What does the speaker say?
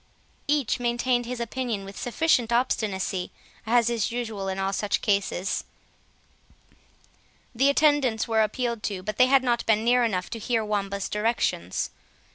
Each maintained his opinion with sufficient obstinacy, as is usual in all such cases; the attendants were appealed to, but they had not been near enough to hear Wamba's directions.